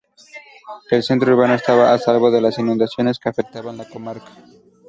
El centro urbano estaba a salvo de las inundaciones que afectaban la comarca.